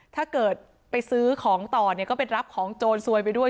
ถ้าเกิดไปซื้อของต่อเนี่ยก็ไปรับของโจรซวยไปด้วย